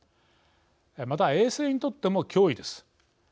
また衛星にとっても脅威です。